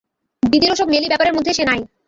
দিদির ওসব মেয়েলি ব্যাপারের মধ্যে সে নাই।